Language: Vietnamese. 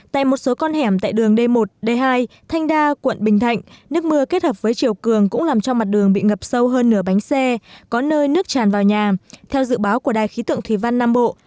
tại một số con hẻm tại đường d một d hai thanh đa quận bình thạnh nước mưa kết hợp với chiều cường cũng làm cho mặt đường bị ngập sâu hơn nửa bánh xe có nơi nước tràn vào nhà theo dự báo của đài khí tượng thủy văn nam bộ